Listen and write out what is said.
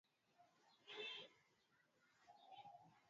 Agosti ya themanini na tatu na Januari wastani